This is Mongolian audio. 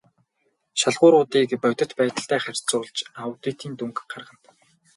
Шалгууруудыг бодит байдалтай харьцуулж аудитын дүнг гаргана.